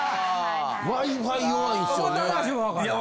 Ｗｉ−Ｆｉ弱いんすよね。